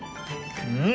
うん。